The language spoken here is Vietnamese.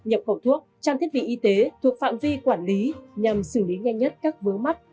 nhập khẩu thuốc trang thiết bị y tế thuộc phạm vi quản lý nhằm xử lý nhanh nhất các vướng mắt